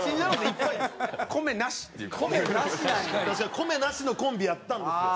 昔は米なしのコンビやったんですよ。